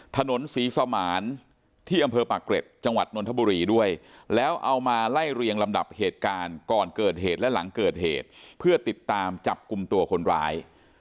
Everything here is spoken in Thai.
ถนนศรีสมานที่อำเภอปากเกร็ดจังหวัดนทบุรีด้วยแล้วเอามาไล่เรียงลำดับเหตุการณ์ก่อนเกิดเหตุและหลังเกิดเหตุเพื่อติดตามจับกลุ่มตัวคนร้าย